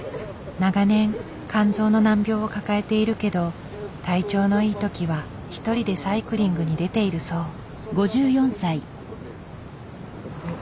長年肝臓の難病を抱えているけど体調のいい時は一人でサイクリングに出ているそう。